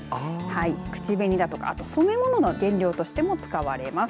口紅だとか、あと染め物の原料としても使われます。